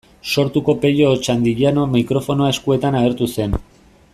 Sortuko Pello Otxandiano mikrofonoa eskuetan agertu zen.